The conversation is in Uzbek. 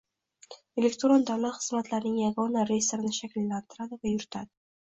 Elektron davlat xizmatlarining yagona reyestrini shakllantiradi va yuritadi;